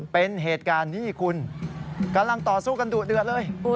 เป็นเหตุการณ์นี่คุณกำลังต่อสู้กันดุเดือดเลย